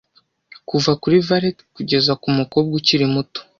kuva kuri valet kugeza kumukobwa ukiri muto